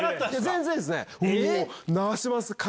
全然ですね。